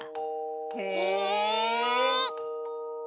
へえ。